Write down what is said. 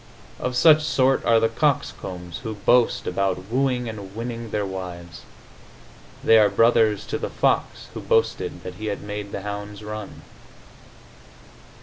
Of such sort are the coxcombs who boast about wooing and winning their wives. They are brothers to the fox who boasted that he had made the hounds run....